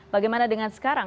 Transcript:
bagaimana dengan sekarang